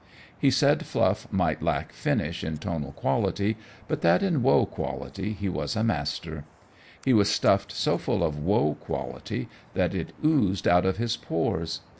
He said Fluff might lack finish in tonal quality, but that in woe quality he was a master: he was stuffed so full of woe quality that it oozed out of his pores.